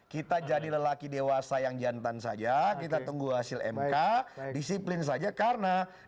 kita jadi lelaki dewasa yang jantan saja kita tunggu hasil mk disiplin saja karena di luar pemerintahan tidak lebih buruk ketika ada dalam pemerintahan